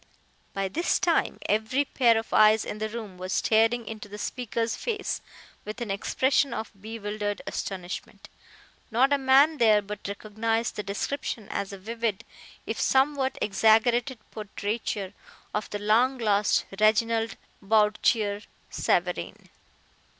By this time every pair of eyes in the room was staring into the speaker's face with an expression of bewildered astonishment. Not a man there but recognized the description as a vivid, if somewhat exaggerated portraiture of the long lost Reginald Bourchier Savareen.